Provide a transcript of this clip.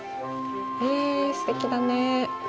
へぇぇ、すてきだね。